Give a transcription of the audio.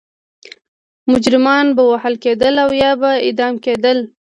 مجرمان به وهل کېدل یا به اعدامېدل.